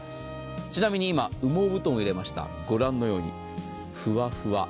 ちなみに今、羽毛布団を入れましたご覧のようにふわふわ。